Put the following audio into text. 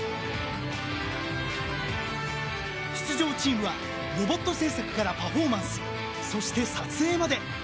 出場チームはロボット製作からパフォーマンスそして撮影まで全て自分たちで行いました。